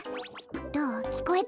どうきこえた？